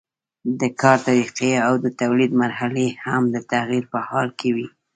د کار طریقې او د تولید مرحلې هم د تغییر په حال کې وي.